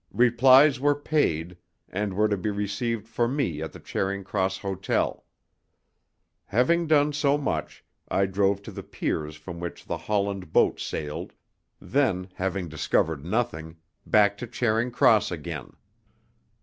Replies were paid, and were to be received for me at the Charing Cross Hotel. Having done so much, I drove to the piers from which the Holland boats sailed; then, having discovered nothing, back to Charing Cross again.